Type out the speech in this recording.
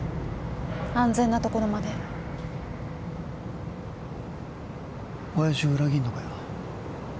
安全なところまで親爺を裏切るのかよ